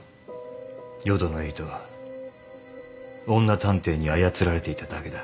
淀野瑛斗は女探偵に操られていただけだ。